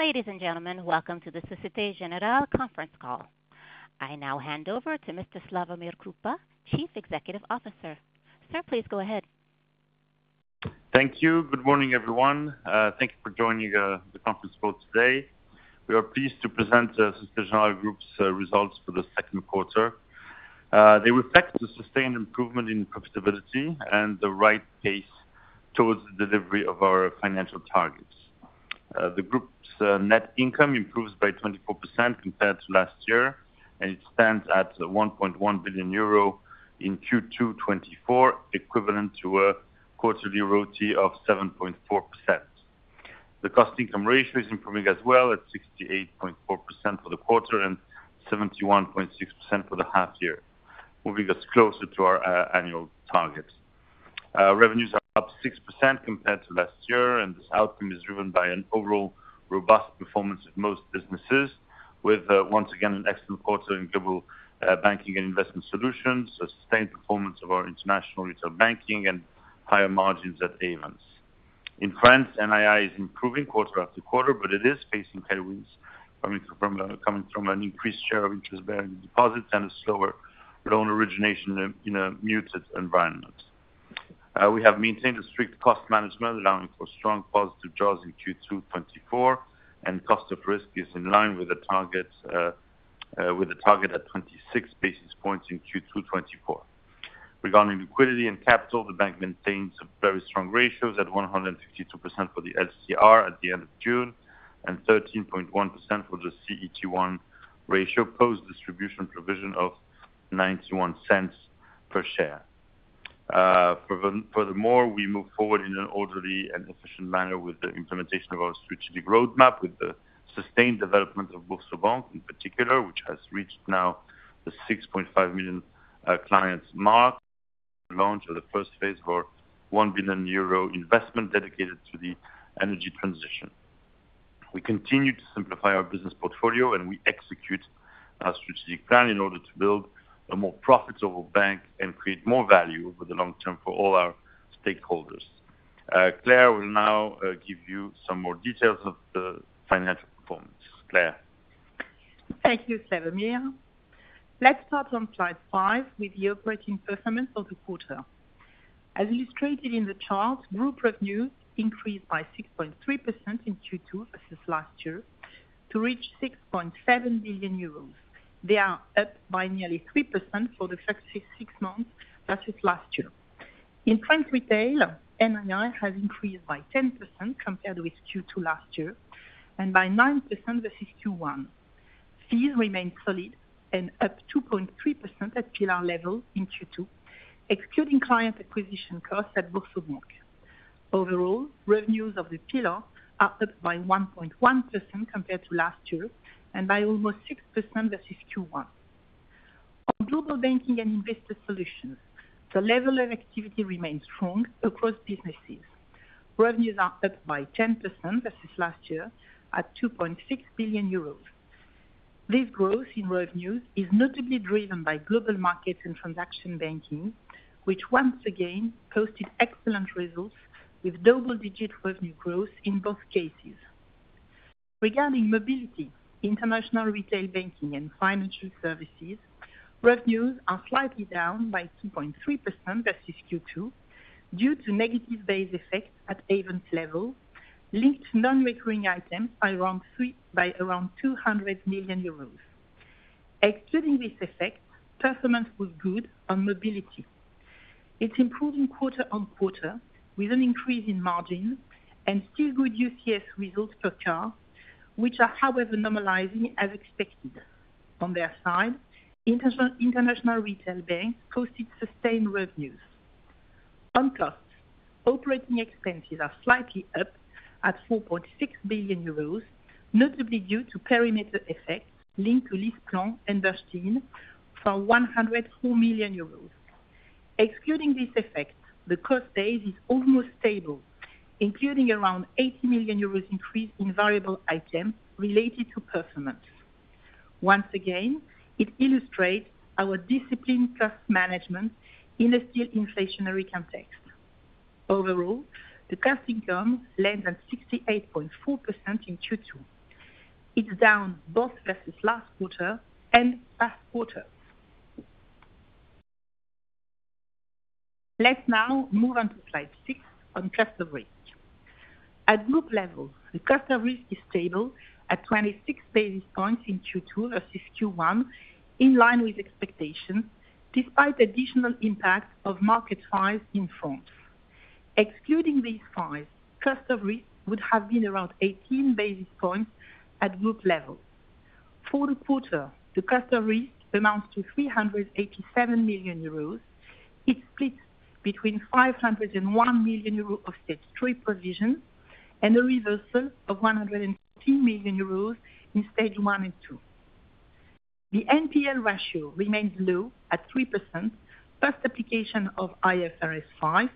Ladies and gentlemen, Welcome to the Société Générale Conference Call. I now hand over to Mr. Slawomir Krupa, Chief Executive Officer. Sir, please go ahead. Thank you. Good morning, everyone. Thank you for joining the conference call today. We are pleased to present the Société Générale Group's results for the second quarter. They reflect the sustained improvement in profitability and the right pace towards the delivery of our financial targets. The Group's net income improves by 24% compared to last year, and it stands at 1.1 billion euro in Q2 2024, equivalent to a quarterly ROTE of 7.4%. The cost-to-income ratio is improving as well at 68.4% for the quarter and 71.6% for the half-year, moving us closer to our annual targets. Revenues are up 6% compared to last year, and this outcome is driven by an overall robust performance of most businesses, with, once again, an excellent quarter in Global Banking and Investor Solutions, a sustained performance of our International Retail Banking, and higher margins at Ayvens. In France, NII is improving quarter-after-quarter, but it is facing headwinds coming from an increased share of interest-bearing deposits and a slower loan origination in a muted environment. We have maintained a strict cost management, allowing for strong positive jaws in Q2 2024, and cost of risk is in line with a target at 26 basis points in Q2 2024. Regarding liquidity and capital, the Bank maintains very strong ratios at 152% for the LCR at the end of June and 13.1% for the CET1 ratio, post-distribution provision of 0.91 per share. Furthermore, we move forward in an orderly and efficient manner with the implementation of our strategic roadmap, with the sustained development of BoursoBank in particular, which has reached now the 6.5 million clients mark, and the launch of the first phase of our 1 billion euro investment dedicated to the energy transition. We continue to simplify our business portfolio, and we execute our strategic plan in order to build a more profitable bank and create more value over the long term for all our stakeholders. Claire will now give you some more details of the financial performance. Claire. Thank you, Slawomir. Let's start on slide 5 with the operating performance for the quarter. As illustrated in the chart, Group revenues increased by 6.3% in Q2 as of last year to reach 6.7 billion euros. They are up by nearly 3% for the first six months as of last year. In French Retail, NII has increased by 10% compared with Q2 last year and by 9% versus Q1. Fees remain solid and up 2.3% at pillar level in Q2, excluding client acquisition costs at BoursoBank. Overall, revenues of the pillar are up by 1.1% compared to last year and by almost 6% versus Q1. On Global Banking and Investor Solutions, the level of activity remains strong across businesses. Revenues are up by 10% versus last year at 2.6 billion euros. This growth in revenues is notably driven by Global Markets and Transaction Banking, which once again posted excellent results with double-digit revenue growth in both cases. Regarding Mobility, International Retail Banking, and Financial Services, revenues are slightly down by 2.3% versus Q2 due to negative base effect at Ayvens level, linked to non-recurring items by around 200 million euros. Excluding this effect, performance was good on mobility. It's improving quarter-over-quarter with an increase in margin and still good UCS results per car, which are, however, normalizing as expected. On their side, international retail banks posted sustained revenues. On costs, operating expenses are slightly up at 4.6 billion euros, notably due to perimeter effects linked to LeasePlan and Bernstein for 104 million euros. Excluding this effect, the cost base is almost stable, including around 80 million euros increase in variable items related to performance. Once again, it illustrates our disciplined cost management in a still inflationary context. Overall, the cost-to-income lands at 68.4% in Q2. It's down both versus last quarter and past quarter. Let's now move on to slide six on cost of risk. At Group level, the cost of risk is stable at 26 basis points in Q2 versus Q1, in line with expectations, despite additional impact of market files in France. Excluding these files, cost of risk would have been around 18 basis points at Group level. For the quarter, the cost of risk amounts to 387 million euros. It's split between 501 million euros of Stage 3 provision and a reversal of 150 million euros in Stage 1 and 2. The NPL ratio remains low at 3% post-application of IFRS 5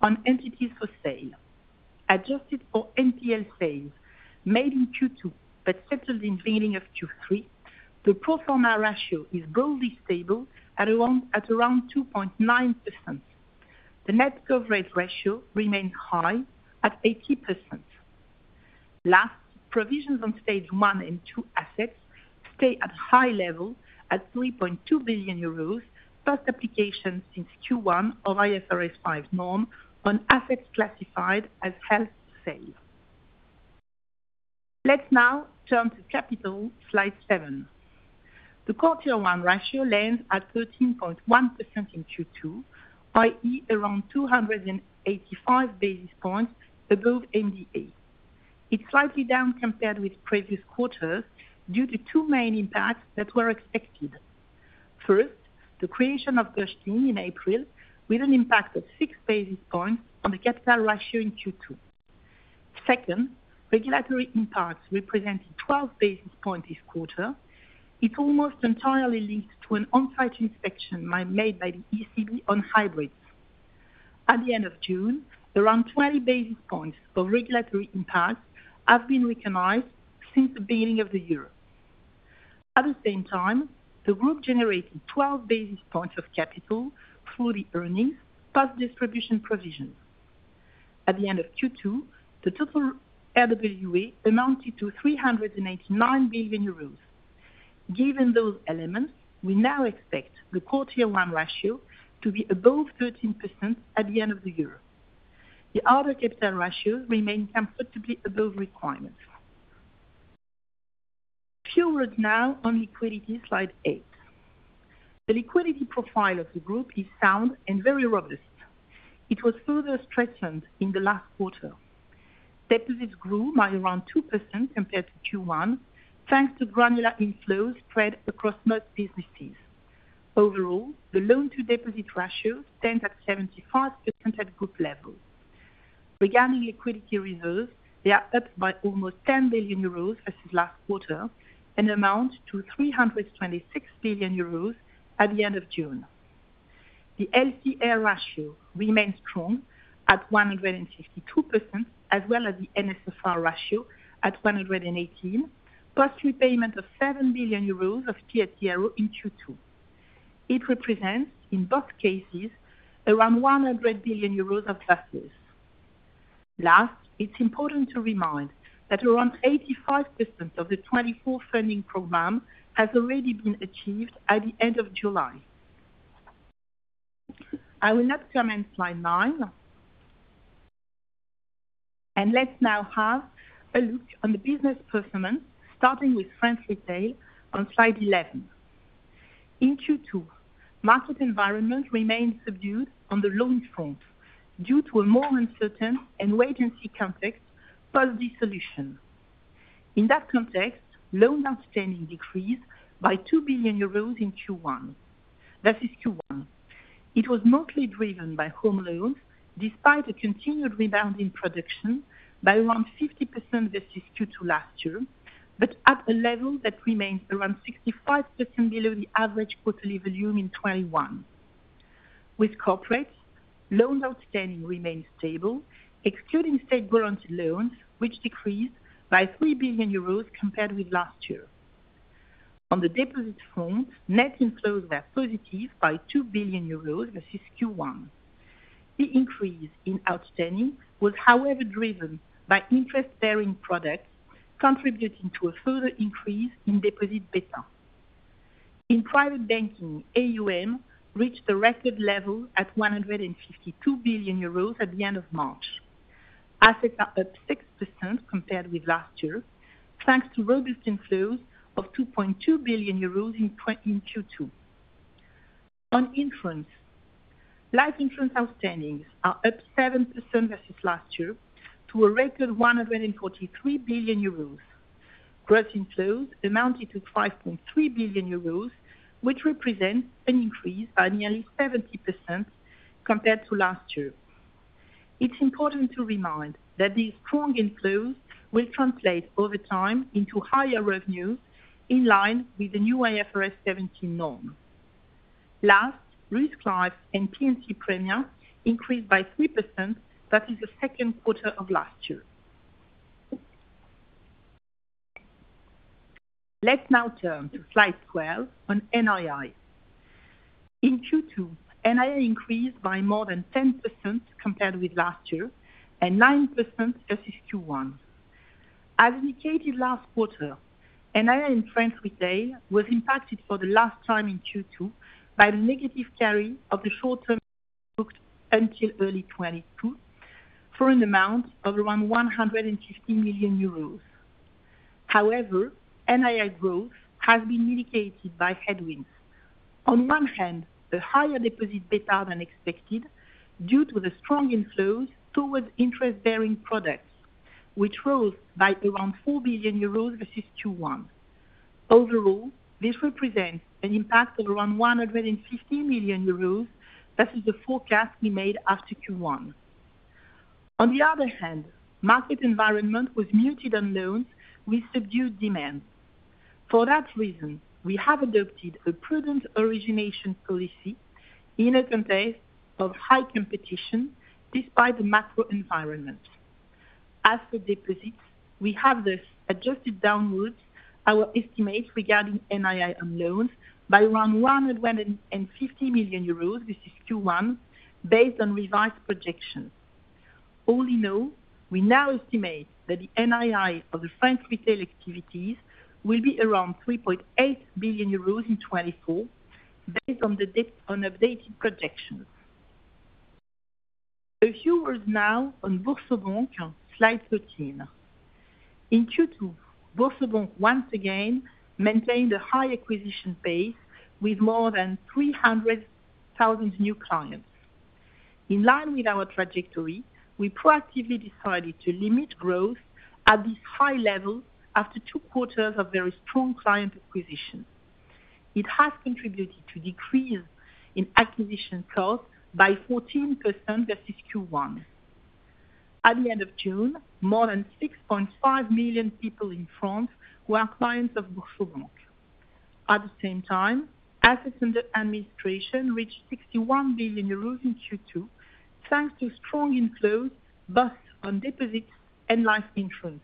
on entities for sale. Adjusted for NPL sales made in Q2 but settled in the beginning of Q3, the pro forma ratio is broadly stable at around 2.9%. The net coverage ratio remains high at 80%. Last, provisions on Stage one and two assets stay at high level at 3.2 billion euros post-application since Q1 of IFRS 5 norm on assets classified as held for sale. Let's now turn to capital, slide seven. The CET1 ratio lands at 13.1% in Q2, i.e., around 285 basis points above MDA. It's slightly down compared with previous quarters due to two main impacts that were expected. First, the creation of Bernstein in April, with an impact of six basis points on the capital ratio in Q2. Second, regulatory impacts representing 12 basis points this quarter. It's almost entirely linked to an on-site inspection made by the ECB on hybrids. At the end of June, around 20 basis points of regulatory impact have been recognized since the beginning of the year. At the same time, the Group generated 12 basis points of capital through the earnings post-distribution provision. At the end of Q2, the total RWA amounted to 389 million euros. Given those elements, we now expect the CET1 ratio to be above 13% at the end of the year. The other capital ratios remain comfortably above requirements. Few words now on liquidity, slide eight. The liquidity profile of the Group is sound and very robust. It was further strengthened in the last quarter. Deposits grew by around 2% compared to Q1, thanks to granular inflows spread across most businesses. Overall, the loan-to-deposit ratio stands at 75% at Group level. Regarding liquidity reserves, they are up by almost 10 billion euros as of last quarter and amount to 326 billion euros at the end of June. The LCR ratio remains strong at 162%, as well as the NSFR ratio at 118%, post-repayment of 7 billion euros of TLTRO in Q2. It represents, in both cases, around 100 billion euros of losses. Last, it's important to remind that around 85% of the 2024 funding programs has already been achieved at the end of July. I will now comment slide 9. Let's now have a look on the business performance, starting with French Retail on slide 11. In Q2, market environment remained subdued on the loan front due to a more uncertain and wait-and-see context post-dissolution. In that context, loan outstanding decreased by €2 billion in Q1. Versus Q1, it was mostly driven by home loans despite a continued rebound in production by around 50% versus Q2 last year, but at a level that remained around 65% below the average quarterly volume in 2021. With corporates, loan outstanding remained stable, excluding state-guaranteed loans, which decreased by 3 billion euros compared with last year. On the deposit front, net inflows were positive by 2 billion euros versus Q1. The increase in outstanding was, however, driven by interest-bearing products contributing to a further increase in deposit beta. In private banking, AUM reached a record level at 152 billion euros at the end of March. Assets are up 6% compared with last year, thanks to robust inflows of 2.2 billion euros in Q2. On insurance, life insurance outstandings are up 7% versus last year to a record 143 billion euros. Gross inflows amounted to 5.3 billion euros, which represents an increase by nearly 70% compared to last year. It's important to remind that these strong inflows will translate over time into higher revenue in line with the new IFRS 17 norm. Last, Protection and P&C premiums increased by 3%, that is, the second quarter of last year. Let's now turn to slide 12 on NII. In Q2, NII increased by more than 10% compared with last year and 9% versus Q1. As indicated last quarter, NII in French Retail was impacted for the last time in Q2 by the negative carry of the short-term book until early 2022 for an amount of around 150 million euros. However, NII growth has been mitigated by headwinds. On one hand, a higher deposit beta than expected due to the strong inflows towards interest-bearing products, which rose by around 4 billion euros versus Q1. Overall, this represents an impact of around 115 million euros versus the forecast we made after Q1. On the other hand, market environment was muted on loans with subdued demand. For that reason, we have adopted a prudent origination policy in a context of high competition despite the macro environment. As for deposits, we have thus adjusted downward our estimates regarding NII on loans by around 150 million euros versus Q1 based on revised projections. All in all, we now estimate that the NII of the French Retail activities will be around 3.8 billion euros in 2024 based on the updated projections. A few words now on BoursoBank, slide 13. In Q2, BoursoBank once again maintained a high acquisition pace with more than 300,000 new clients. In line with our trajectory, we proactively decided to limit growth at this high level after two quarters of very strong client acquisition. It has contributed to a decrease in acquisition costs by 14% versus Q1. At the end of June, more than 6.5 million people in France were clients of BoursoBank. At the same time, assets under administration reached 61 billion euros in Q2, thanks to strong inflows both on deposits and life insurance.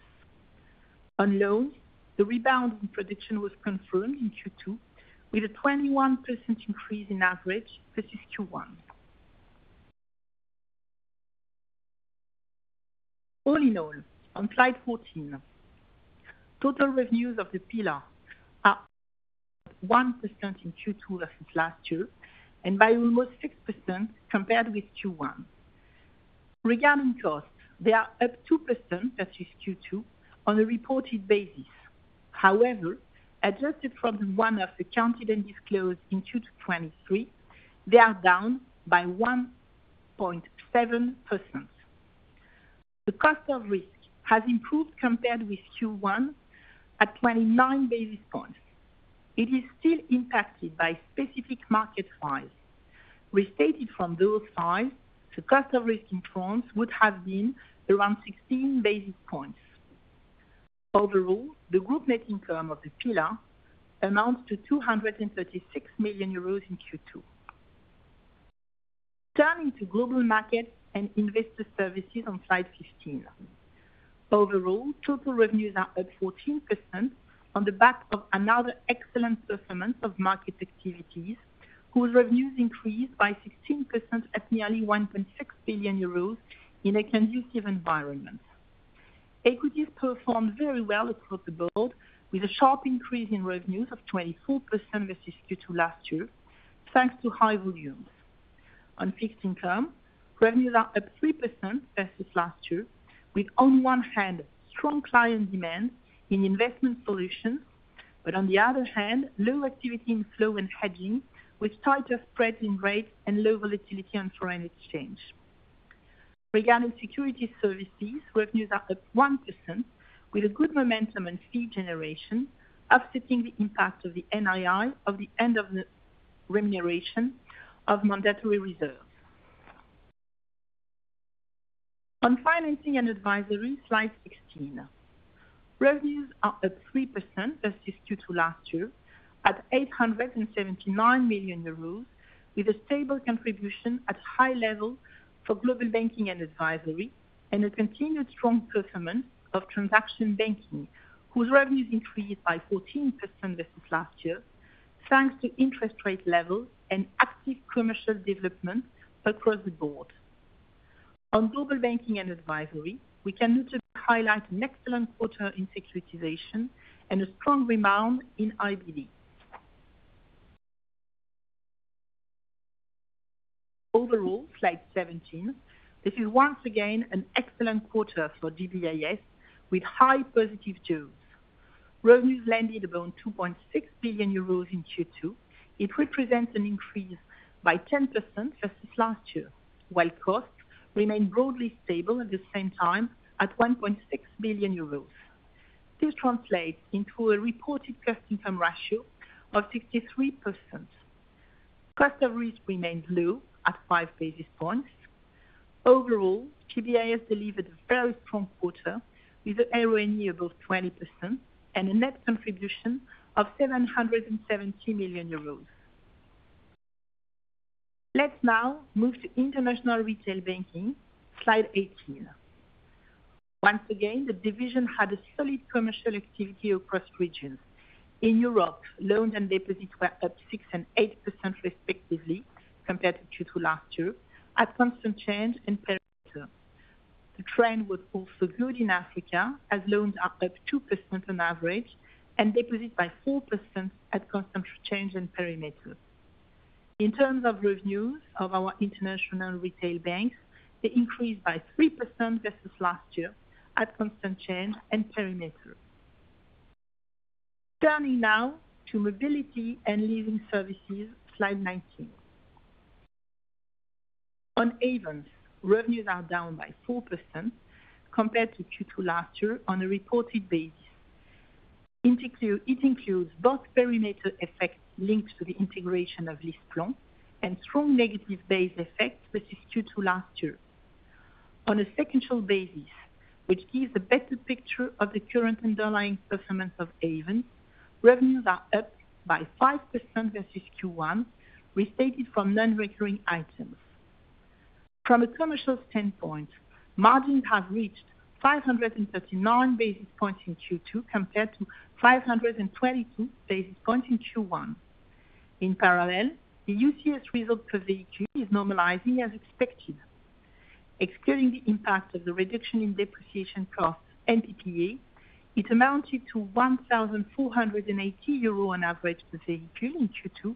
On loans, the rebound in production was confirmed in Q2 with a 21% increase in average versus Q1. All in all, on slide 14, total revenues of the pillar are 1% in Q2 versus last year and by almost 6% compared with Q1. Regarding costs, they are up 2% versus Q2 on a reported basis. However, adjusted from the one-off accounted and disclosed in Q2 2023, they are down by 1.7%. The cost of risk has improved compared with Q1 at 29 basis points. It is still impacted by specific market files. Restated from those files, the cost of risk in France would have been around 16 basis points. Overall, the Group net income of the pillar amounts to EUR 236 million in Q2. Turning to Global Markets and Investor Services on slide 15. Overall, total revenues are up 14% on the back of another excellent performance of market activities, whose revenues increased by 16% at nearly 1.6 billion euros in a conducive environment. Equities performed very well across the board with a sharp increase in revenues of 24% versus Q2 last year, thanks to high volumes. On fixed income, revenues are up 3% versus last year, with, on one hand, strong client demand in investment solutions, but on the other hand, low activity in flow and hedging, with tighter spreads in rates and low volatility on foreign exchange. Regarding Securities Services, revenues are up 1% with a good momentum and fee generation, offsetting the impact of the NII of the end of the remuneration of mandatory reserves. On Financing and Advisory, slide 16. Revenues are up 3% versus Q2 last year at 879 million euros, with a stable contribution at high level for Global Banking and Advisory and a continued strong performance of Transaction Banking, whose revenues increased by 14% versus last year, thanks to interest rate levels and active commercial development across the board. On Global Banking and Advisory, we can note to highlight an excellent quarter in securitization and a strong rebound in IBD. Overall, slide 17, this is once again an excellent quarter for GBIS with high positive jaws. Revenues landed about 2.6 billion euros in Q2. It represents an increase by 10% versus last year, while costs remained broadly stable at the same time at 1.6 billion euros. This translates into a reported cost-to-income ratio of 63%. Cost of risk remained low at 5 basis points. Overall, GBIS delivered a very strong quarter with an RONE above 20% and a net contribution of 770 million euros. Let's now move to International Retail Banking, slide 18. Once again, the division had a solid commercial activity across regions. In Europe, loans and deposits were up 6% and 8% respectively compared to Q2 last year at constant change and perimeter. The trend was also good in Africa, as loans are up 2% on average and deposits by 4% at constant change and perimeter. In terms of revenues of our international retail banks, they increased by 3% versus last year at constant change and perimeter. Turning now to mobility and living services, slide 19. On Ayvens, revenues are down by 4% compared to Q2 last year on a reported basis. It includes both perimeter effects linked to the integration of LeasePlan and strong negative base effects versus Q2 last year. On a sequential basis, which gives a better picture of the current underlying performance of Ayvens, revenues are up by 5% versus Q1, restated from non-recurring items. From a commercial standpoint, margins have reached 539 basis points in Q2 compared to 522 basis points in Q1. In parallel, the UCS result per vehicle is normalizing as expected. Excluding the impact of the reduction in depreciation costs and PPA, it amounted to 1,480 euro on average per vehicle in Q2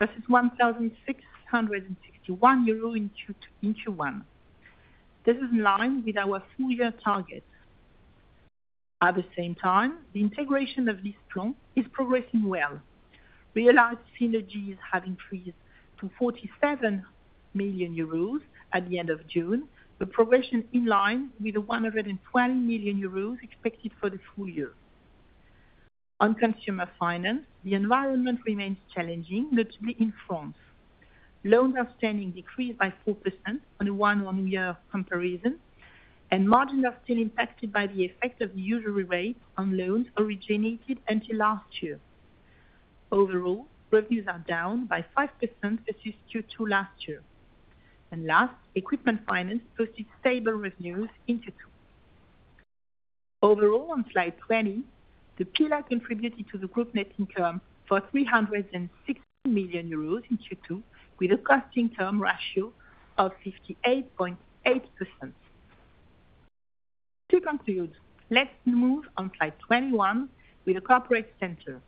versus 1,661 euro in Q1. This is in line with our full-year target. At the same time, the integration of LeasePlan is progressing well. Realized synergies have increased to 47 million euros at the end of June, a progression in line with the 120 million euros expected for the full-year. On Consumer Finance, the environment remains challenging, notably in France. Loans outstanding decreased by 4% on a year-over-year comparison, and margins are still impacted by the effect of the usury rate on loans originated until last year. Overall, revenues are down by 5% versus Q2 last year. Last, Equipment Finance posted stable revenues in Q2. Overall, on slide 20, the pillar contributed to the Group net income for 316 million euros in Q2 with a cost-to-income ratio of 58.8%. To conclude, let's move on slide 21 with the Corporate Center.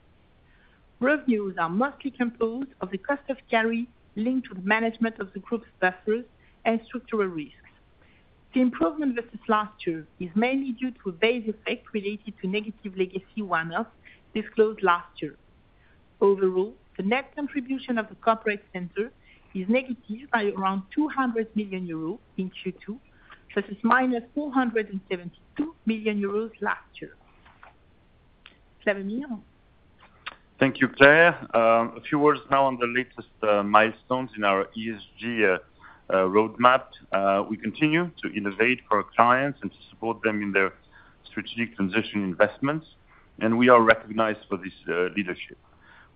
Revenues are mostly composed of the cost of carry linked to the management of the group's buffers and structural risks. The improvement versus last year is mainly due to base effects related to negative legacy one-offs disclosed last year. Overall, the net contribution of the Corporate Center is negative by around 200 million euros in Q2 versus 472 million euros last year. Slawomir. Thank you, Claire. A few words now on the latest milestones in our ESG roadmap. We continue to innovate for our clients and to support them in their strategic transition investments, and we are recognized for this leadership.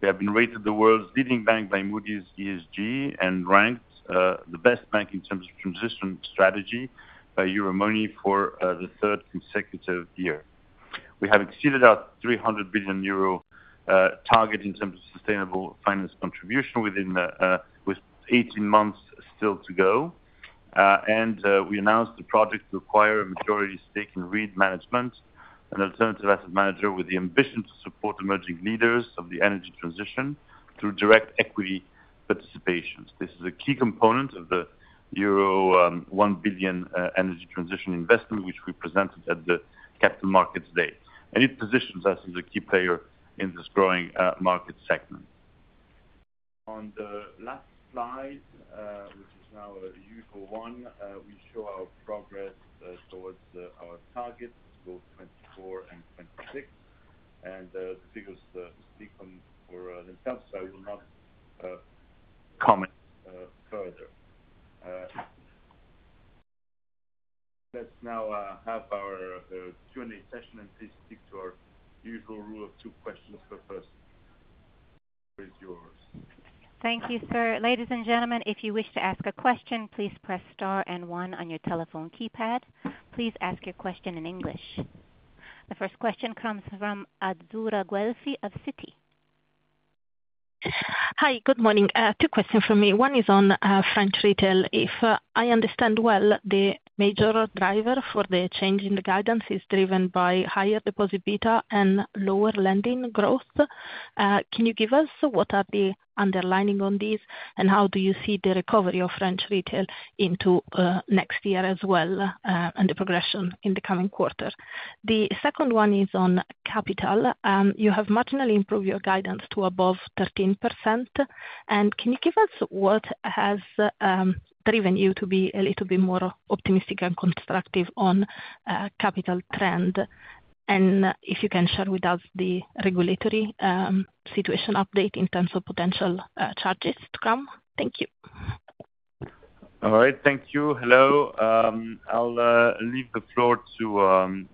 We have been rated the world's leading bank by Moody's ESG and ranked the best bank in terms of transition strategy by Euromoney for the third consecutive year. We have exceeded our 300 billion euro target in terms of sustainable finance contribution within 18 months still to go. We announced the project to acquire a majority stake in Reed Management, an alternative asset manager with the ambition to support emerging leaders of the energy transition through direct equity participation. This is a key component of the euro 1 billion energy transition investment, which we presented at the Capital Markets Day. It positions us as a key player in this growing market segment. On the last slide, which is now a usual one, we show our progress towards our targets of both 2024 and 2026. The figures speak for themselves, so I will not comment further. Let's now have our Q&A session, and please stick to our usual rule of two questions for the first. It's yours. Thank you, sir. Ladies and gentlemen, if you wish to ask a question, please press star and one on your telephone keypad. Please ask your question in English. The first question comes from Azzurra Guelfi of Citi. Hi, good morning. Two questions for me. One is on French Retail. If I understand well, the major driver for the change in the guidance is driven by higher deposit beta and lower lending growth. Can you give us what are the underlying on these, and how do you see the recovery of French Retail into next year as well and the progression in the coming quarter? The second one is on capital. You have marginally improved your guidance to above 13%. And can you give us what has driven you to be a little bit more optimistic and constructive on capital trend? And if you can share with us the regulatory situation update in terms of potential charges to come. Thank you. All right, thank you. Hello. I'll leave the floor to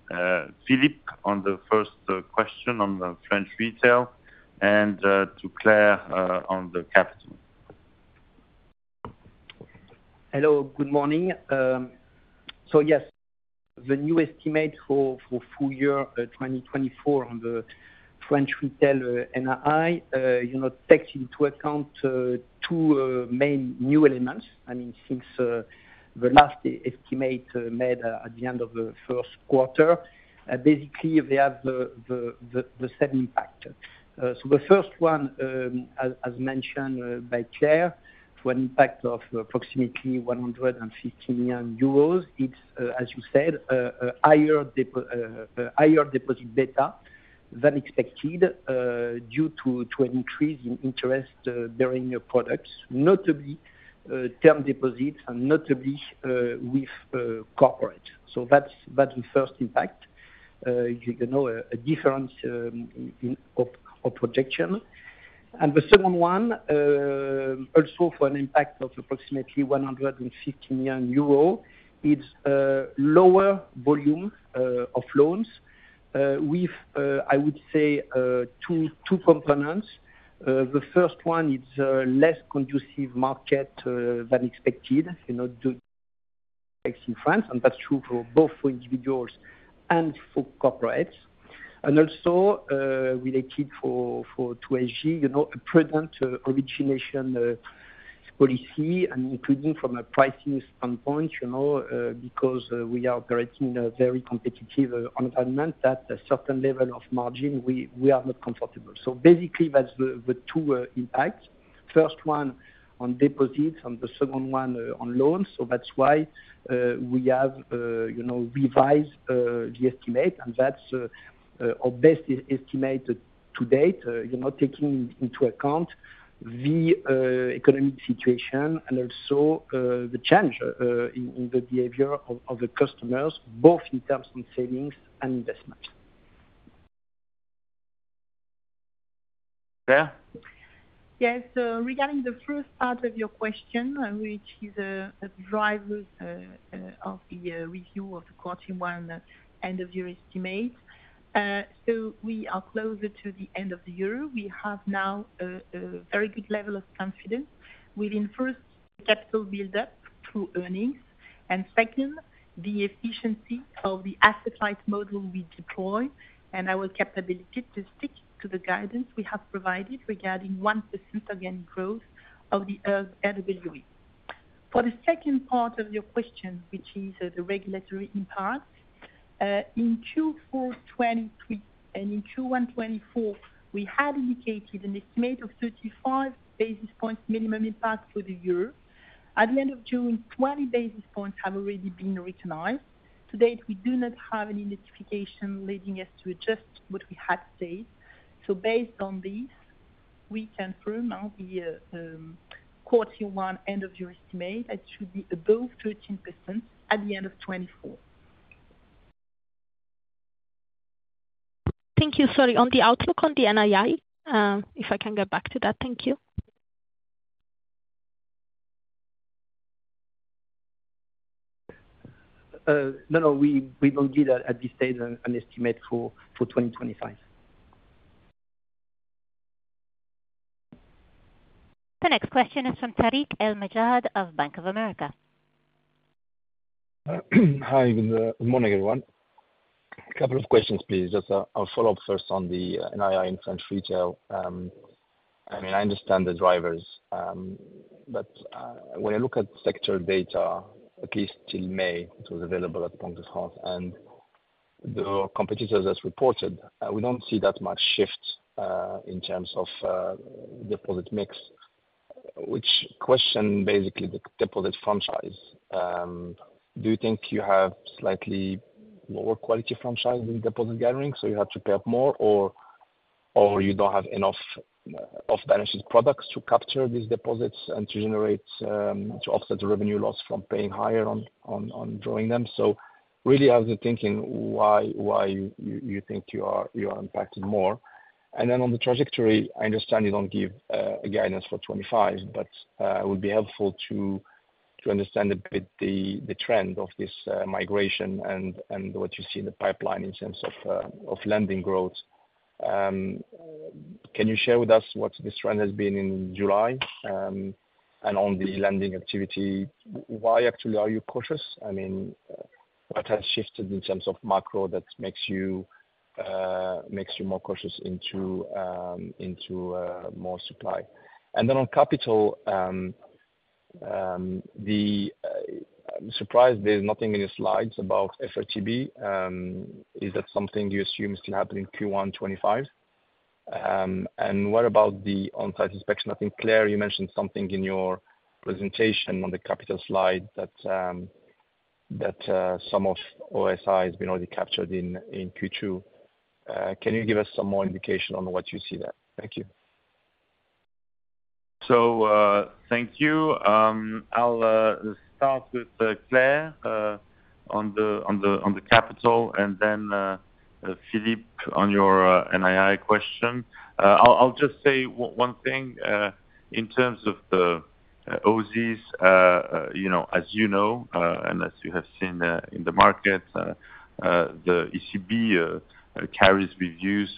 Philippe on the first question on the French Retail and to Claire on the capital. Hello, good morning. So yes, the new estimate for full-year 2024 on the French Retail NII takes into account two main new elements. I mean, since the last estimate made at the end of the first quarter, basically, they have the same impact. So the first one, as mentioned by Claire, for an impact of approximately 150 million euros, it's, as you said, a higher deposit beta than expected due to an increase in interest-bearing products, notably term deposits and notably with corporates. So that's the first impact. You know, a difference in projection. And the second one, also for an impact of approximately 150 million euros, it's lower volume of loans with, I would say, two components. The first one, it's a less conducive market than expected, you know, in France, and that's true for both individuals and for corporates. And also related to SG, you know, a prudent origination policy, including from a pricing standpoint, you know, because we are operating in a very competitive environment at a certain level of margin, we are not comfortable. So basically, that's the two impacts. First one on deposits and the second one on loans. So that's why we have revised the estimate, and that's our best estimate to date, you know, taking into account the economic situation and also the change in the behavior of the customers, both in terms of savings and investments. Claire? Yes, regarding the first part of your question, which is a driver of the review of the quarter one end-of-year estimate. So we are closer to the end of the year. We have now a very good level of confidence within first, capital build-up through earnings, and second, the efficiency of the asset-light model we deploy and our capability to stick to the guidance we have provided regarding 1% annual growth of the RONE. For the second part of your question, which is the regulatory impact, in Q4 2023 and in Q1 2024, we had indicated an estimate of 35 basis points minimum impact for the year. At the end of June, 20 basis points have already been recognized. To date, we do not have any notification leading us to adjust what we have said. So based on this, we confirm the quarter one end-of-year estimate that should be above 13% at the end of 2024. Thank you. Sorry, on the outlook on the NII, if I can get back to that, thank you. No, no, we don't give at this stage an estimate for 2025. The next question is from Tarik El Mejjad of Bank of America. Hi, good morning, everyone. A couple of questions, please. Just, I'll follow up first on the NII in French Retail. I mean, I understand the drivers, but when I look at sector data, at least till May, it was available at Banque de France, and the competitors as reported, we don't see that much shift in terms of deposit mix. Which question basically the deposit franchise? Do you think you have slightly lower quality franchise in deposit gathering so you have to pay up more, or you don't have enough off-balances products to capture these deposits and to generate to offset the revenue loss from paying higher on drawing them? So really I was thinking why you think you are impacted more. And then on the trajectory, I understand you don't give a guidance for 2025, but it would be helpful to understand a bit the trend of this migration and what you see in the pipeline in terms of lending growth. Can you share with us what this trend has been in July and on the lending activity? Why actually are you cautious? I mean, what has shifted in terms of macro that makes you more cautious into more supply? And then on capital, the surprise, there's nothing in the slides about FRTB. Is that something you assume is still happening in Q1 2025? And what about the on-site inspection? I think Claire, you mentioned something in your presentation on the capital slide that some of OSI has been already captured in Q2. Can you give us some more indication on what you see there? Thank you. So thank you. I'll start with Claire on the capital, and then Philippe on your NII question. I'll just say one thing in terms of the OSIs, as you know, and as you have seen in the market, the ECB carries reviews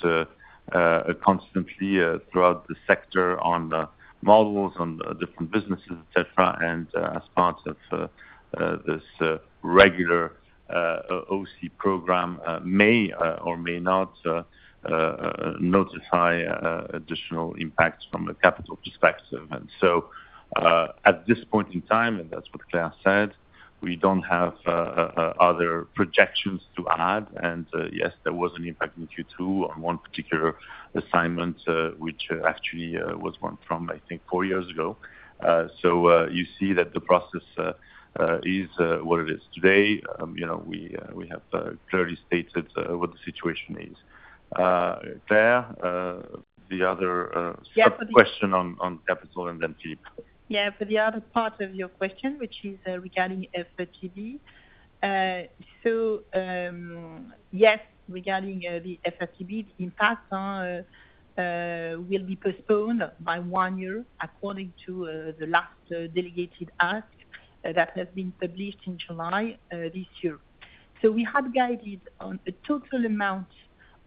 constantly throughout the sector on models and different businesses, etc., and as part of this regular OSI program may or may not notify additional impacts from a capital perspective. So at this point in time, and that's what Claire said, we don't have other projections to add. And yes, there was an impact in Q2 on one particular assignment, which actually was one from, I think, four years ago. So you see that the process is what it is today. You know, we have clearly stated what the situation is. Claire, the other question on capital and then Philippe. Yeah, for the other part of your question, which is regarding FRTB. So yes, regarding the FRTB, the impact will be postponed by one year according to the last delegated act that has been published in July this year. So we had guided on a total amount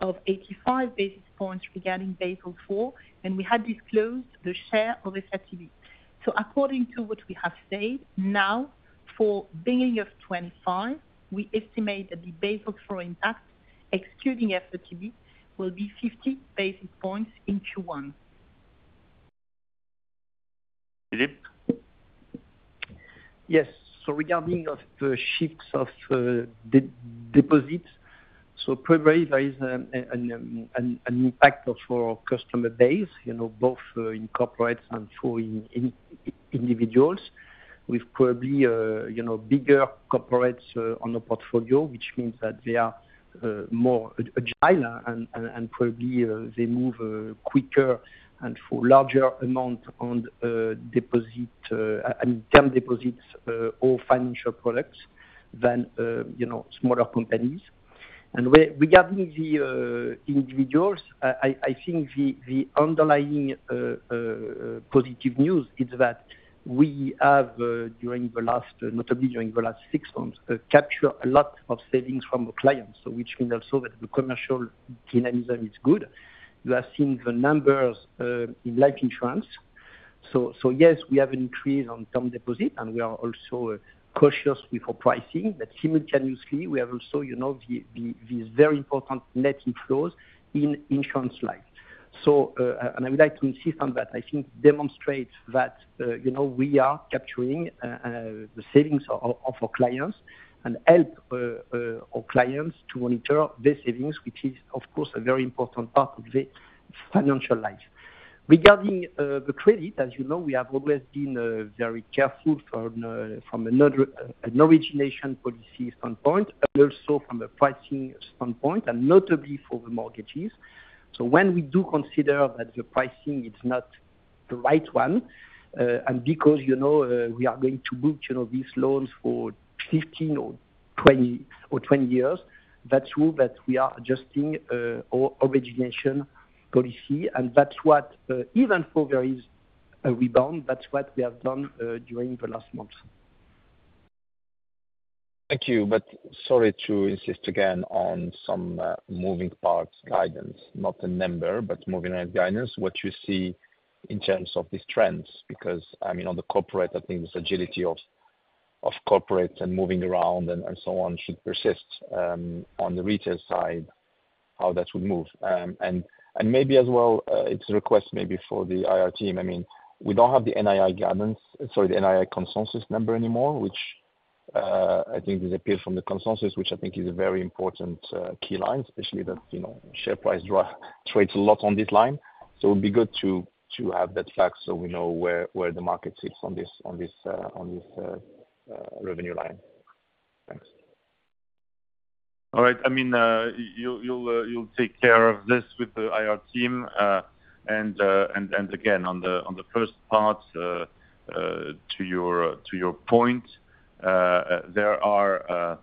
of 85 basis points regarding Basel IV, and we had disclosed the share of FRTB. So according to what we have said, now for beginning of 2025, we estimate that the Basel IV impact, excluding FRTB, will be 50 basis points in Q1. Philippe? Yes, so regarding the shifts of deposits, so probably there is an impact for customer base, both in corporates and for individuals. We've probably bigger corporates on the portfolio, which means that they are more agile and probably they move quicker and for larger amount on deposit, I mean, term deposits or financial products than smaller companies. Regarding the individuals, I think the underlying positive news is that we have, during the last, notably during the last six months, captured a lot of savings from our clients, which means also that the commercial dynamism is good. We have seen the numbers in life insurance. So yes, we have an increase on term deposit, and we are also cautious with our pricing, but simultaneously, we have also these very important net inflows in insurance life. And I would like to insist on that. I think demonstrates that we are capturing the savings of our clients and help our clients to monitor their savings, which is, of course, a very important part of the financial life. Regarding the credit, as you know, we have always been very careful from an origination policy standpoint, but also from a pricing standpoint, and notably for the mortgages. So when we do consider that the pricing is not the right one, and because we are going to book these loans for 15 or 20 years, that's true that we are adjusting our origination policy, and that's what, even for various rebounds, that's what we have done during the last months. Thank you, but sorry to insist again on some moving parts guidance, not a number, but moving guidance, what you see in terms of these trends, because I mean, on the corporate, I think the agility of corporates and moving around and so on should persist. On the retail side, how that would move. And maybe as well, it's a request maybe for the IR team. I mean, we don't have the NII guidance, sorry, the NII consensus number anymore, which I think disappeared from the consensus, which I think is a very important key line, especially that share price trades a lot on this line. So it would be good to have that back so we know where the market sits on this revenue line. Thanks. All right, I mean, you'll take care of this with the IR team. And again, on the first part, to your point, there are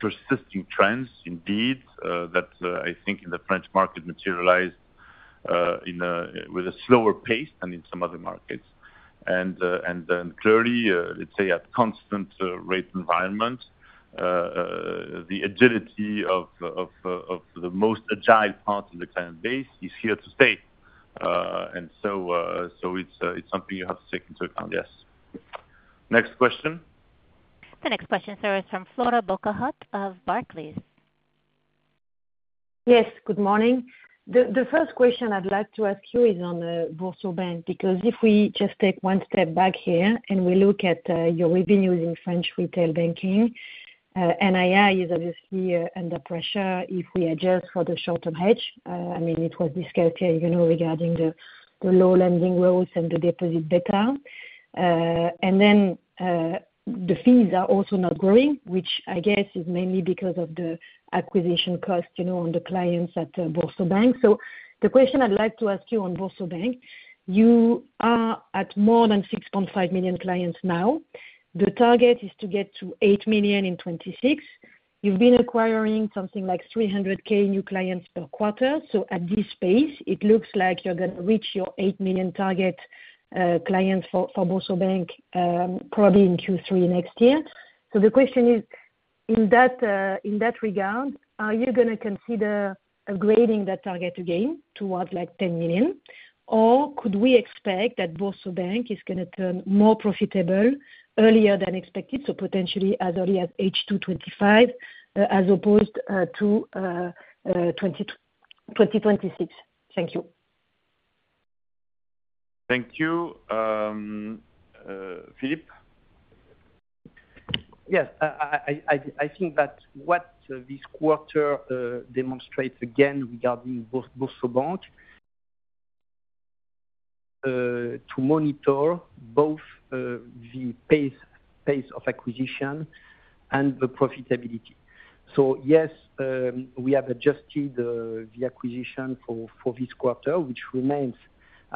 persisting trends indeed that I think in the French market materialized with a slower pace than in some other markets. And clearly, let's say, at constant rate environment, the agility of the most agile part of the client base is here to stay. And so it's something you have to take into account, yes. Next question? The next question, sir, is from Flora Bocahut of Barclays. Yes, good morning. The first question I'd like to ask you is on the BoursoBank, because if we just take one step back here and we look at your revenues in French Retail banking, NII is obviously under pressure if we adjust for the short-term hedge. I mean, it was discussed here regarding the low lending growth and the deposit beta. And then the fees are also not growing, which I guess is mainly because of the acquisition cost on the clients at BoursoBank. So the question I'd like to ask you on BoursoBank, you are at more than 6.5 million clients now. The target is to get to 8 million in 2026. You've been acquiring something like 300,000 new clients per quarter. So at this pace, it looks like you're going to reach your 8 million target clients for BoursoBank probably in Q3 next year. So the question is, in that regard, are you going to consider upgrading that target again towards like 10 million? Or could we expect that BoursoBank is going to turn more profitable earlier than expected, so potentially as early as H2 2025 as opposed to 2026? Thank you. Thank you. Philippe? Yes, I think that what this quarter demonstrates again regarding BoursoBank, to monitor both the pace of acquisition and the profitability. So yes, we have adjusted the acquisition for this quarter, which remains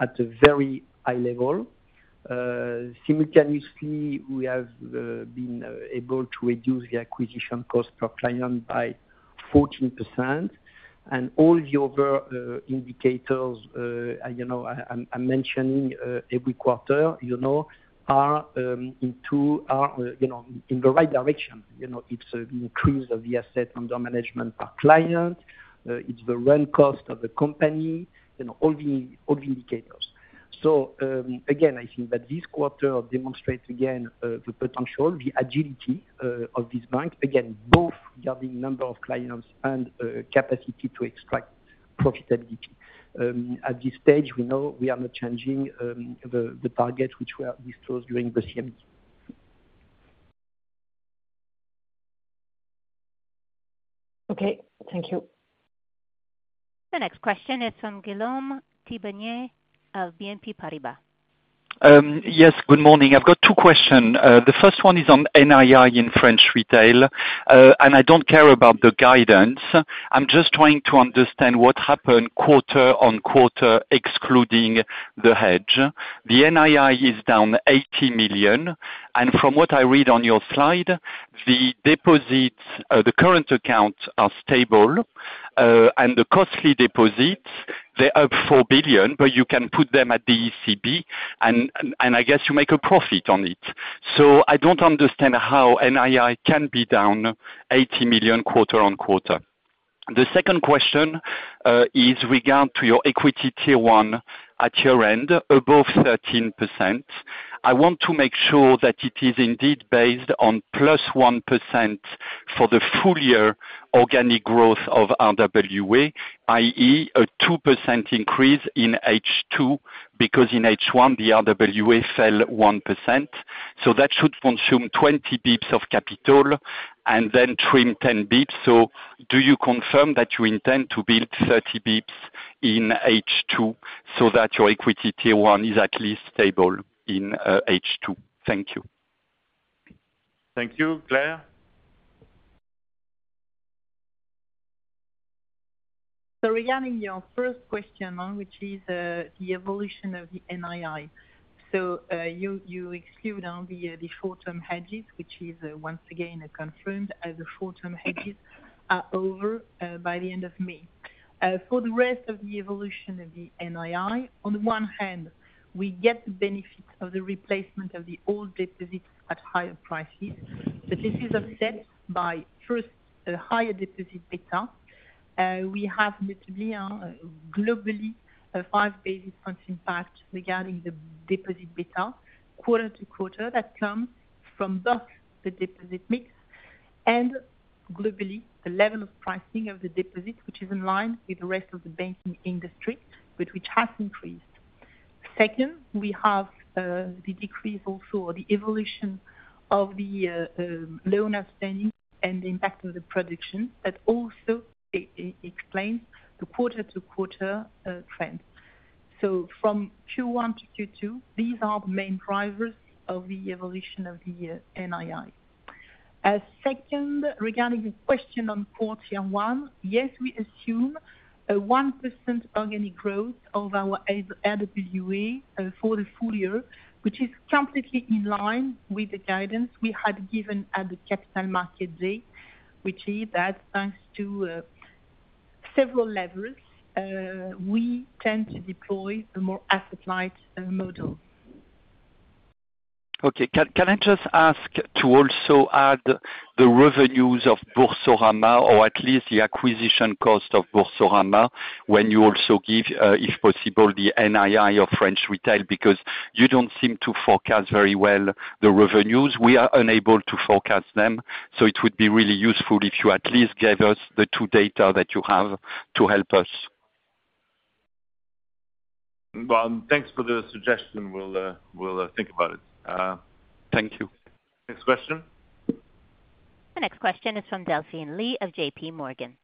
at a very high level. Simultaneously, we have been able to reduce the acquisition cost per client by 14%. And all the other indicators I'm mentioning every quarter are in the right direction. It's the increase of the asset under management per client. It's the run cost of the company, all the indicators. So again, I think that this quarter demonstrates again the potential, the agility of this bank, again, both regarding number of clients and capacity to extract profitability. At this stage, we know we are not changing the target which were disclosed during the CMD. Okay, thank you. The next question is from Guillaume Tiberghien of BNP Paribas. Yes, good morning. I've got two questions. The first one is on NII in French Retail, and I don't care about the guidance. I'm just trying to understand what happened quarter-on-quarter, excluding the hedge. The NII is down 80 million. From what I read on your slide, the deposits, the current accounts are stable, and the costly deposits, they're up 4 billion, but you can put them at the ECB, and I guess you make a profit on it. So I don't understand how NII can be down 80 million quarter-on-quarter. The second question is regarding your equity tier one at year-end, above 13%. I want to make sure that it is indeed based on +1% for the full-year organic growth of RWA, i.e., a 2% increase in H2, because in H1, the RWA fell 1%. So that should consume 20 bps of capital and then trim 10 bps. So do you confirm that you intend to build 30 bps in H2 so that your equity tier one is at least stable in H2? Thank you. Thank you. Claire? So regarding your first question, which is the evolution of the NII. So you exclude the short-term hedges, which is once again confirmed as the short-term hedges are over by the end of May. For the rest of the evolution of the NII, on the one hand, we get the benefit of the replacement of the old deposits at higher prices. So this is offset by first a higher deposit beta. We have literally globally a five basis points impact regarding the deposit beta quarter-to-quarter that comes from both the deposit mix and globally the level of pricing of the deposit, which is in line with the rest of the banking industry, but which has increased. Second, we have the decrease also or the evolution of the loan outstanding and the impact of the production that also explains the quarter-to-quarter trend. So from Q1 to Q2, these are the main drivers of the evolution of the NII. Second, regarding the question on quarter one, yes, we assume a 1% organic growth of our RWA for the full-year, which is completely in line with the guidance we had given at the capital market day, which is that thanks to several levers, we tend to deploy a more asset-light model. Okay, can I just ask to also add the revenues of Boursorama, or at least the acquisition cost of Boursorama, when you also give, if possible, the NII of French Retail, because you don't seem to forecast very well the revenues. We are unable to forecast them. So it would be really useful if you at least gave us the two data that you have to help us. Thanks for the suggestion. We'll think about it. Thank you. Next question? The next question is from Delphine Lee of J.P. Morgan.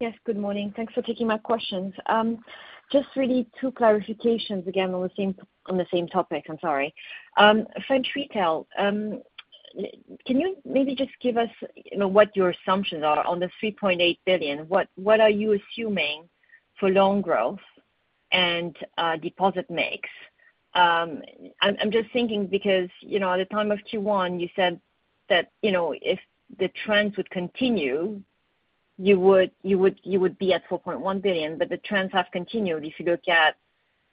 Yes, good morning. Thanks for taking my questions. Just really two clarifications again on the same topic. I'm sorry. French Retail, can you maybe just give us what your assumptions are on the 3.8 billion? What are you assuming for loan growth and deposit mix? I'm just thinking because at the time of Q1, you said that if the trends would continue, you would be at 4.1 billion, but the trends have continued. If you look at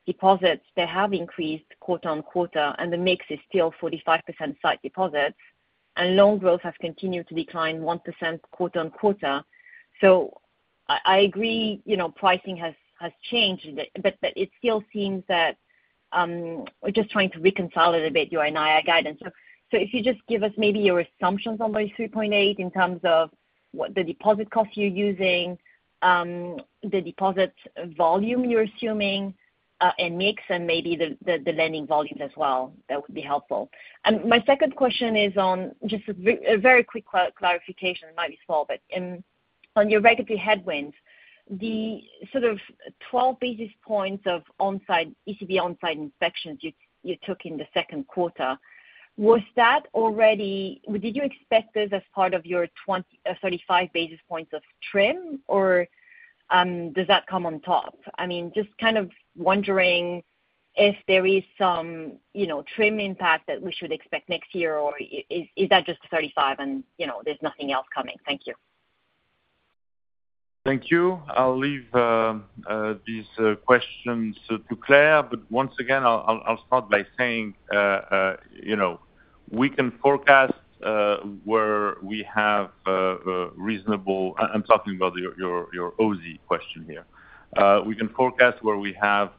deposits, they have increased quarter-over-quarter, and the mix is still 45% sight deposits, and loan growth has continued to decline 1% quarter-over-quarter. So I agree pricing has changed, but it still seems that we're just trying to reconcile a little bit your NII guidance. So if you just give us maybe your assumptions on those 3.8 in terms of what the deposit costs you're using, the deposit volume you're assuming, and mix, and maybe the lending volumes as well, that would be helpful. And my second question is on just a very quick clarification. It might be small, but on your regulatory headwinds, the sort of 12 basis points of ECB on-site inspections you took in the second quarter, was that already—did you expect this as part of your 35 basis points of trim, or does that come on top? I mean, just kind of wondering if there is some trim impact that we should expect next year, or is that just 35 and there's nothing else coming? Thank you. Thank you. I'll leave these questions to Claire, but once again, I'll start by saying we can forecast where we have reasonable. I'm talking about your OSI question here. We can forecast where we have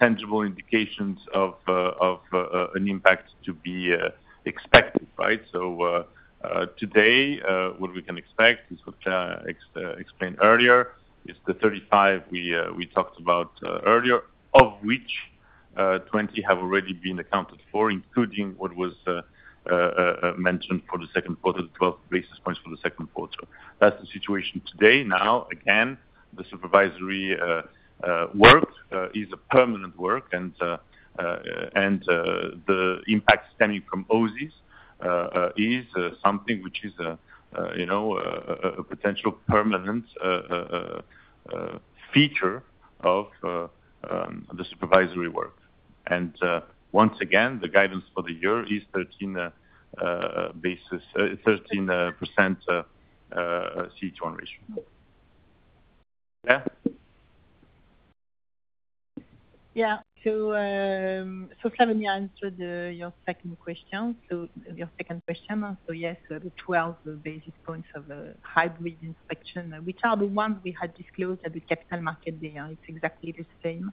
tangible indications of an impact to be expected, right? So today, what we can expect, as Claire explained earlier, is the 35 we talked about earlier, of which 20 have already been accounted for, including what was mentioned for the second quarter, the 12 basis points for the second quarter. That's the situation today. Now, again, the supervisory work is a permanent work, and the impact stemming from OSIs is something which is a potential permanent feature of the supervisory work. And once again, the guidance for the year is 13% CET1 ratio. Yeah? Yeah. So Claire, let me answer your second question. Your second question, yes, the 12 basis points of hybrid inspection, which are the ones we had disclosed at the capital market day, it's exactly the same.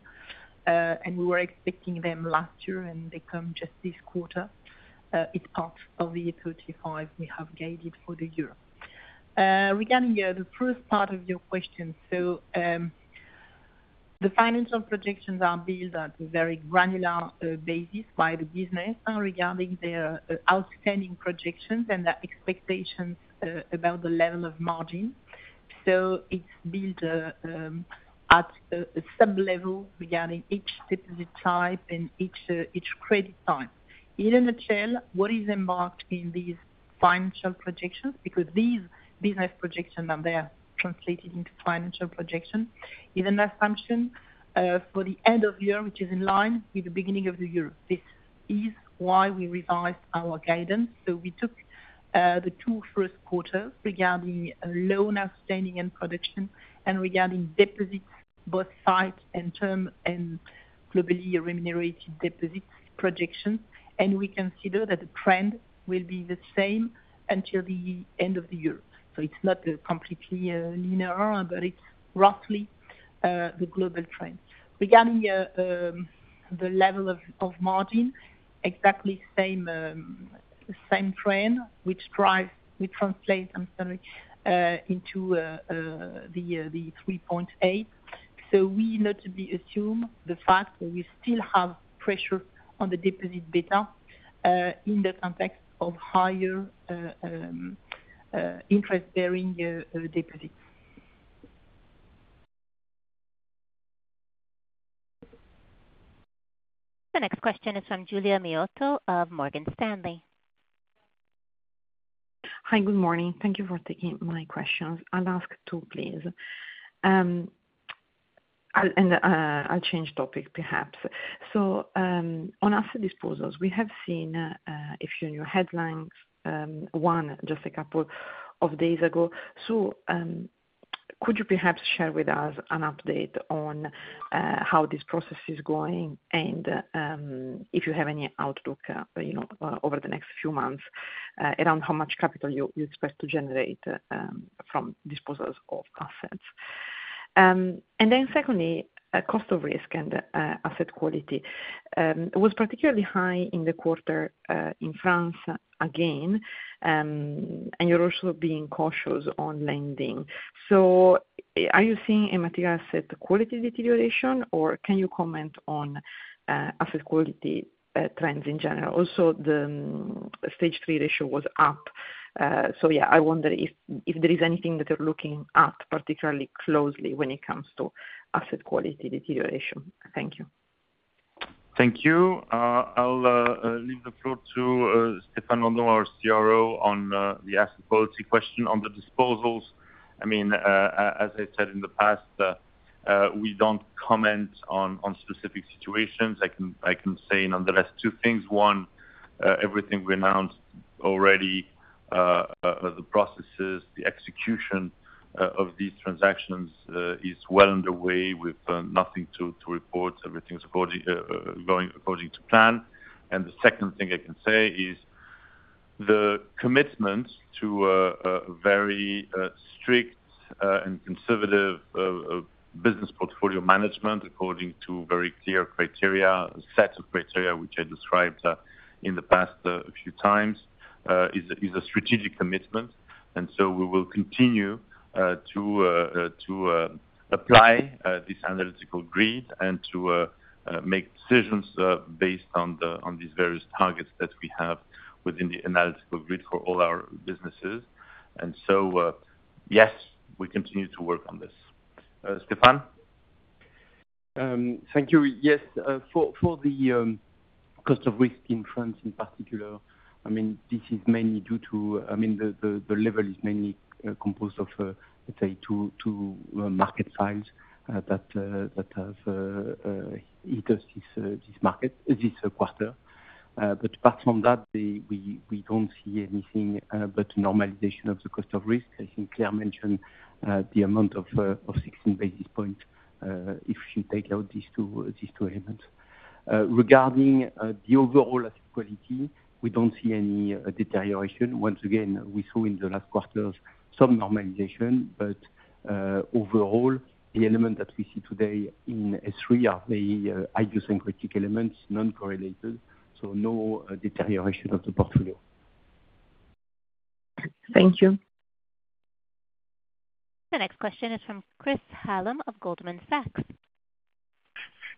We were expecting them last year, and they come just this quarter. It's part of the 35 we have guided for the year. Regarding the first part of your question, the financial projections are built at a very granular basis by the business regarding their outstanding projections and their expectations about the level of margin. It's built at a sub-level regarding each deposit type and each credit type. In a nutshell, what is embarked in these financial projections, because these business projections are there translated into financial projections, is an assumption for the end of year, which is in line with the beginning of the year. This is why we revised our guidance. So we took the first two quarters regarding loans outstanding and production and regarding deposits, both sight and term and globally remunerated deposits projections. And we consider that the trend will be the same until the end of the year. So it's not completely linear, but it's roughly the global trend. Regarding the level of margin, exactly same trend, which translates, I'm sorry, into the 3.8. So we notably assume the fact that we still have pressure on the deposit beta in the context of higher interest-bearing deposits. The next question is from Giulia Miotto of Morgan Stanley. Hi, good morning. Thank you for taking my questions. I'll ask two, please. And I'll change topics, perhaps. So on asset disposals, we have seen a few new headlines, one just a couple of days ago. So could you perhaps share with us an update on how this process is going and if you have any outlook over the next few months around how much capital you expect to generate from disposals of assets? And then secondly, cost of risk and asset quality was particularly high in the quarter in France again, and you're also being cautious on lending. So are you seeing a material asset quality deterioration, or can you comment on asset quality trends in general? Also, the Stage 3 ratio was up. So yeah, I wonder if there is anything that you're looking at particularly closely when it comes to asset quality deterioration. Thank you. Thank you. I'll leave the floor to Stéphane Landon, our CRO, on the asset quality question on the disposals. I mean, as I said in the past, we don't comment on specific situations. I can say nonetheless two things. One, everything we announced already, the processes, the execution of these transactions is well underway with nothing to report. Everything's going according to plan. And the second thing I can say is the commitment to a very strict and conservative business portfolio management according to very clear criteria, a set of criteria which I described in the past a few times, is a strategic commitment. And so we will continue to apply this analytical grid and to make decisions based on these various targets that we have within the analytical grid for all our businesses. And so yes, we continue to work on this. Stéphane? Thank you. Yes, for the cost of risk in France in particular, I mean, this is mainly due to, I mean, the level is mainly composed of, let's say, two market files that have hit us this quarter. But apart from that, we don't see anything but normalization of the cost of risk. I think Claire mentioned the amount of 16 basis points if she takes out these two elements. Regarding the overall asset quality, we don't see any deterioration. Once again, we saw in the last quarter some normalization, but overall, the element that we see today in Stage 3 are the idiosyncratic elements, non-correlated, so no deterioration of the portfolio. Thank you. The next question is from Chris Hallam of Goldman Sachs.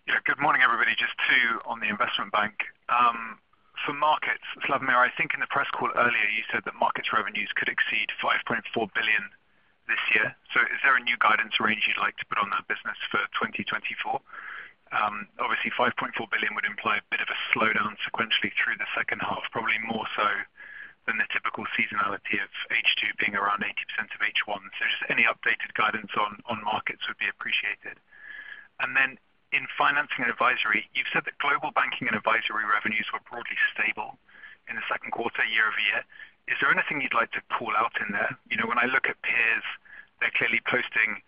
Yeah, good morning, everybody. Just two on the investment bank. For markets, Slawomir, I think in the press call earlier, you said that market revenues could exceed 5.4 billion this year. So is there a new guidance range you'd like to put on that business for 2024? Obviously, 5.4 billion would imply a bit of a slowdown sequentially through the second half, probably more so than the typical seasonality of H2 being around 80% of H1. So just any updated guidance on markets would be appreciated. And then in financing and advisory, you've said that global banking and advisory revenues were broadly stable in the second quarter, year-over-year. Is there anything you'd like to call out in there? When I look at peers, they're clearly posting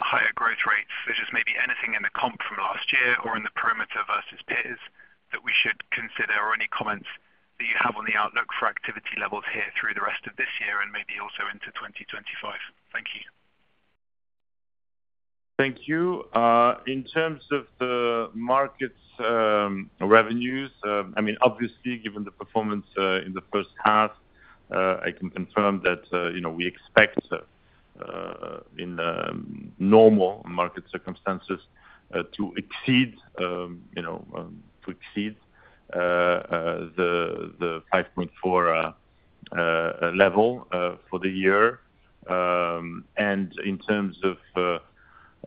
higher growth rates. Is there just maybe anything in the comp from last year or in the perimeter versus peers that we should consider, or any comments that you have on the outlook for activity levels here through the rest of this year and maybe also into 2025? Thank you. Thank you. In terms of the market revenues, I mean, obviously, given the performance in the first half, I can confirm that we expect in normal market circumstances to exceed the 5.4 level for the year. In terms of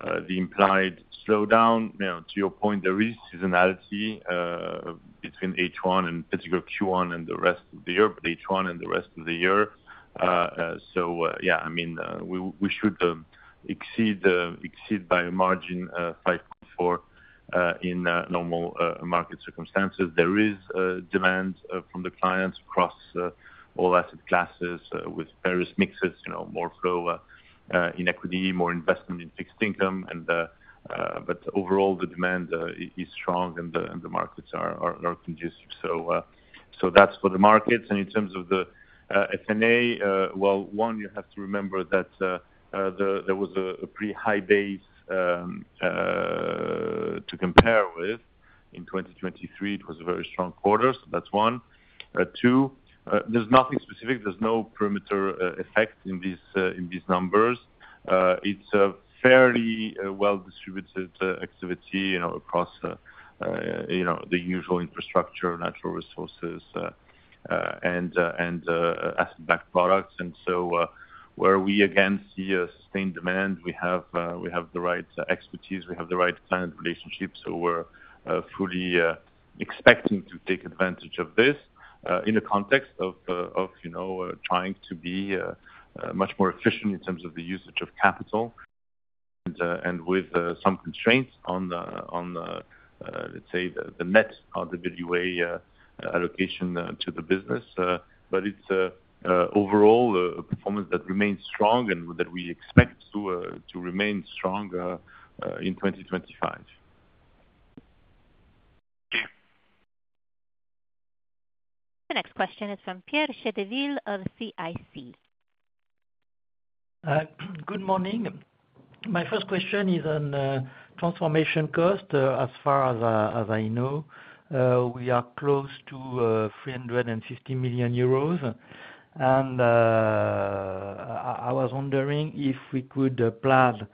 the implied slowdown, to your point, there is seasonality between H1 and particularly Q1 and the rest of the year, H1 and the rest of the year. So yeah, I mean, we should exceed by margin 5.4 in normal market circumstances. There is demand from the clients across all asset classes with various mixes, more flow in equity, more investment in fixed income. But overall, the demand is strong and the markets are conducive. So that's for the markets. In terms of the F&A, well, one, you have to remember that there was a pretty high base to compare with. In 2023, it was a very strong quarter, so that's one. Two, there's nothing specific. There's no perimeter effect in these numbers. It's a fairly well-distributed activity across the usual infrastructure, natural resources, and asset-backed products. And so where we again see a sustained demand, we have the right expertise, we have the right client relationships, so we're fully expecting to take advantage of this in the context of trying to be much more efficient in terms of the usage of capital and with some constraints on, let's say, the net RWA allocation to the business. But it's overall a performance that remains strong and that we expect to remain strong in 2025. Thank you. The next question is from Pierre Chedeville of CIC. Good morning. My first question is on transformation cost as far as I know. We are close to 350 million euros. I was wondering if we could plan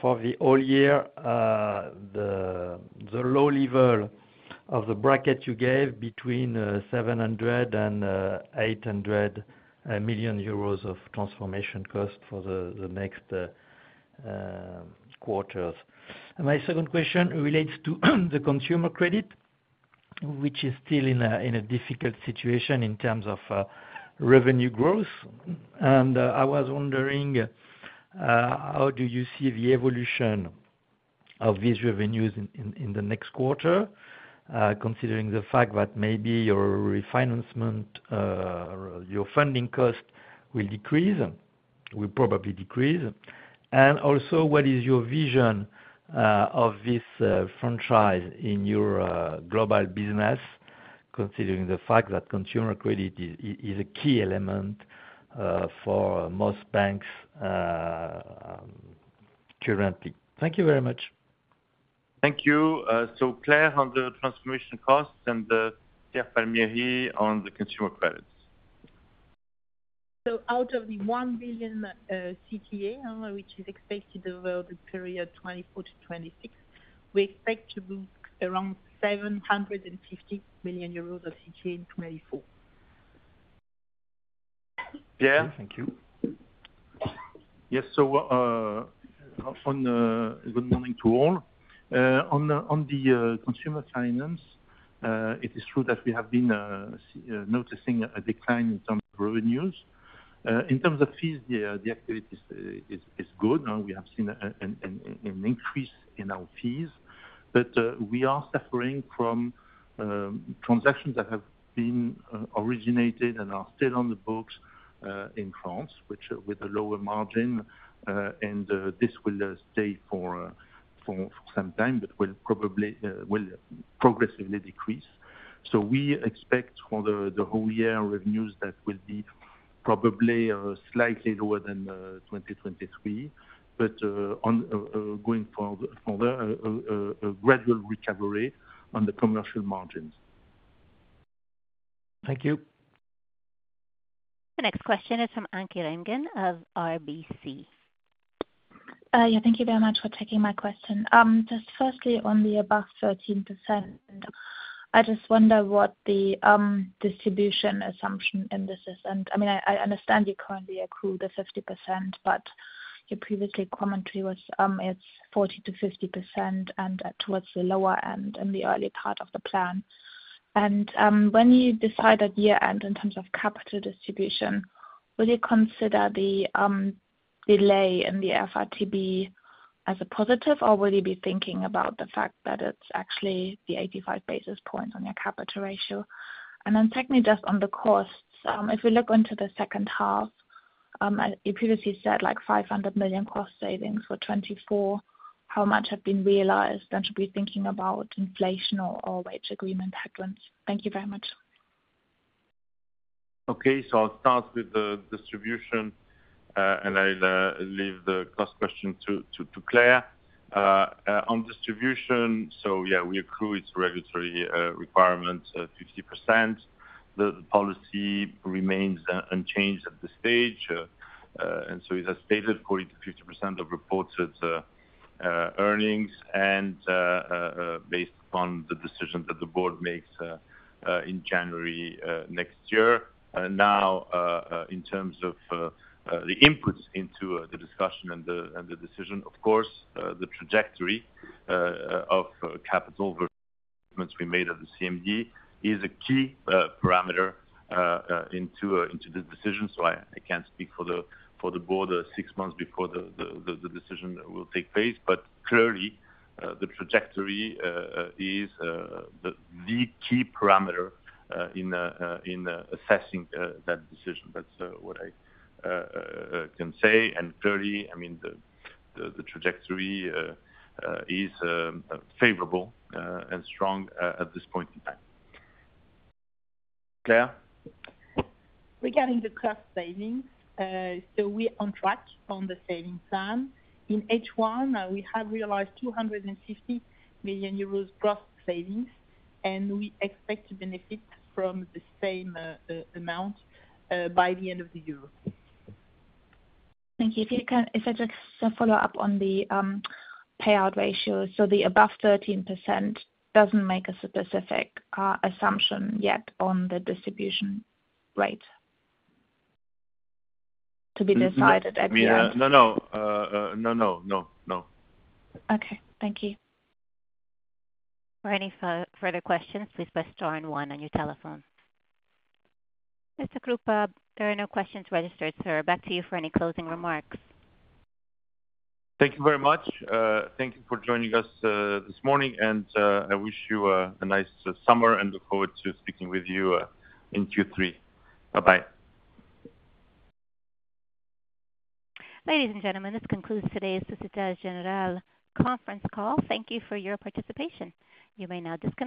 for the whole year the low level of the bracket you gave between 700 million euros and 800 million euros of transformation cost for the next quarters. My second question relates to the consumer credit, which is still in a difficult situation in terms of revenue growth. I was wondering how do you see the evolution of these revenues in the next quarter, considering the fact that maybe your refinancement, your funding cost will decrease, will probably decrease. And also, what is your vision of this franchise in your global business, considering the fact that consumer credit is a key element for most banks currently? Thank you very much. Thank you. So Claire on the transformation cost and Pierre Palmieri on the consumer credits. So out of the 1 billion CTA, which is expected over the period 2024 to 2026, we expect to book around 750 million euros of CTA in 2024. Yeah, thank you. Yes, so good morning to all. On the consumer finance, it is true that we have been noticing a decline in terms of revenues. In terms of fees, the activity is good. We have seen an increase in our fees, but we are suffering from transactions that have been originated and are still on the books in France, which are with a lower margin, and this will stay for some time, but will probably progressively decrease. So we expect for the whole year revenues that will be probably slightly lower than 2023, but going further, a gradual recovery on the commercial margins. Thank you. The next question is from Anke Reingen of RBC. Yeah, thank you very much for taking my question. Just firstly, on the above 13%, I just wonder what the distribution assumption in this is. And I mean, I understand you currently accrue the 50%, but your previous commentary was it's 40%-50% and towards the lower end in the early part of the plan. And when you decide at year-end in terms of capital distribution, would you consider the delay in the FRTB as a positive, or would you be thinking about the fact that it's actually the 85 basis points on your capital ratio? And then technically, just on the costs, if we look into the second half, you previously said like 500 million cost savings for 2024, how much have been realized? And should we be thinking about inflation or wage agreement headwinds? Thank you very much. Okay, so I'll start with the distribution, and I'll leave the cost question to Claire. On distribution, so yeah, we accrue its regulatory requirements, 50%. The policy remains unchanged at this stage. And so it has stated for 50% of reported earnings and based upon the decision that the board makes in January next year. Now, in terms of the inputs into the discussion and the decision, of course, the trajectory of capital investments we made at the CMD is a key parameter into the decision. So I can't speak for the board six months before the decision will take place. But clearly, the trajectory is the key parameter in assessing that decision. That's what I can say. And clearly, I mean, the trajectory is favorable and strong at this point in time. Claire? Regarding the cost savings, so we're on track on the savings plan. In H1, we have realized 250 million euros gross savings, and we expect to benefit from the same amount by the end of the year. Thank you. If I just follow up on the payout ratio, so the above 13% doesn't make a specific assumption yet on the distribution rate to be decided at year-end. No, no. No, no, no, no. Okay, thank you. For any further questions, please press star and one on your telephone. Mr. Krupa, there are no questions registered, so back to you for any closing remarks. Thank you very much. Thank you for joining us this morning, and I wish you a nice summer and look forward to speaking with you in Q3. Bye-bye. Ladies and gentlemen, this concludes today's Société Générale conference call. Thank you for your participation. You may now disconnect.